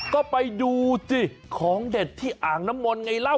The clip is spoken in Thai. ก็ไปดูสิของเด็ดที่อ่างน้ำมนต์ไงเล่า